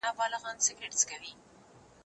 هغه وویل چې منډه ښه ده؟